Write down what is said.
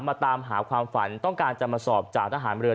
มาตามหาความฝันต้องการจะมาสอบจากทหารเรือ